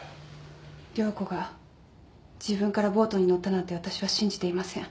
涼子が自分からボートに乗ったなんてわたしは信じていません。